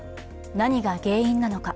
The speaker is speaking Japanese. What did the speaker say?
何が原因なのか。